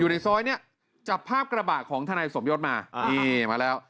ในซอยเนี่ยจับภาพกระบะของทนายสมยศมานี่มาแล้ว